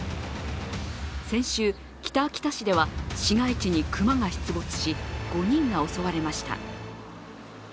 先週、北秋田市では市街地に熊が出没し５人が襲われました。